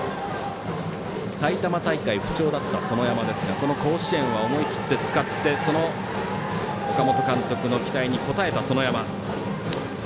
埼玉大会、不調だった園山ですがこの甲子園は思い切って使ってその岡本監督の期待に応えた園山。